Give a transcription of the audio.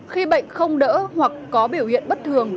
khi bệnh không đỡ hoặc có biểu hiện bất thường